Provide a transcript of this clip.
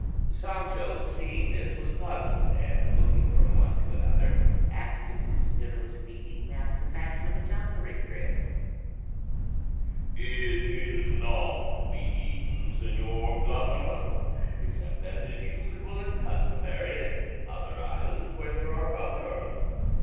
Sancho seeing this was puzzled, and looking from one to another, asked if this dinner was to be eaten after the fashion of a jugglery trick. To this he with the wand replied: "It is not to be eaten, señor governor, except as is usual and customary in other islands where there are governors.